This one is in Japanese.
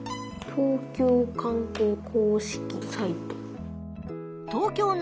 「東京の観光公式サイト」。